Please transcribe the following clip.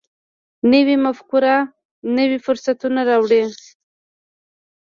نوې مفکوره نوي فرصتونه راوړي